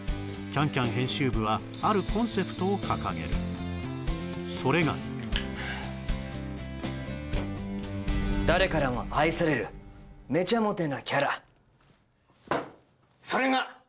編集部はあるコンセプトを掲げるそれが誰からも愛されるめちゃ♥モテなキャラそれが！